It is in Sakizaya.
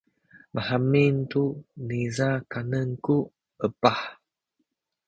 mahamin tu niza kanen ku epah.